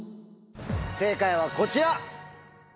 正解はこちら。